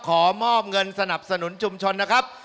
ขอมอบเงินสนับสนุนชุมชนนะครับ